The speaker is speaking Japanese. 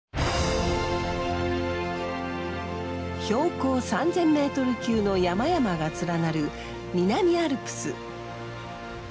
標高３，０００ｍ級の山々が連なる南アルプス。